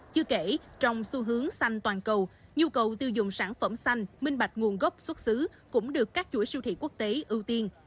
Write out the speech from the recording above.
chưa kể trong xu hướng xanh toàn cầu nhu cầu tiêu dùng sản phẩm xanh minh bạch nguồn gốc xuất xứ cũng được các chuỗi siêu thị quốc tế ưu tiên